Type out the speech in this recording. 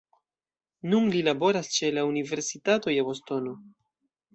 Nun li laboras ĉe la Universitato je Bostono.